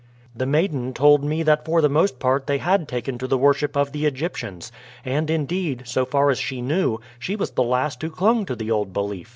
"The maiden told me that for the most part they had taken to the worship of the Egyptians, and indeed, so far as she knew, she was the last who clung to the old belief.